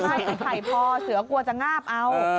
ใช่ไอ้ไข่พอเสือกลัวจะงาบเอา